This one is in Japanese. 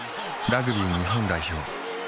・ラグビー日本代表